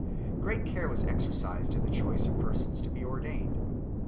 6. Great care was exercised in the choice of persons to be ordained 5